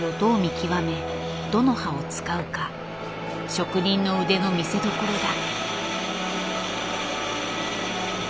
職人の腕の見せどころだ。